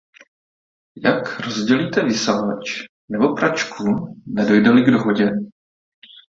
Jak rozdělíte vysavač nebo pračku, nedojde-li k dohodě?